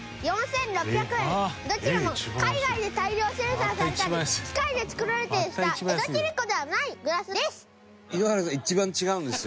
どちらも海外で大量生産されたり機械で作られたりした江戸切子ではないグラスです。